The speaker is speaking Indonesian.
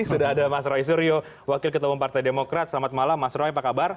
sudah ada mas roy suryo wakil ketua umum partai demokrat selamat malam mas roy apa kabar